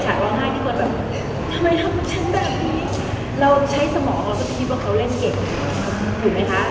ฉากร้องไห้ที่คนแบบทำไมทำฉันแบบนี้เราใช้สมองเราสักทีว่าเค้าเล่นเก่งถูกไหมคะ